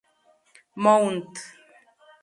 Mount St.